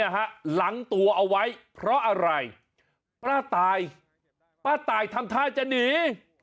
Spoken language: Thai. หลังตัวเอาไว้เพราะอะไรป้าตายป้าตายทำท่าจะหนี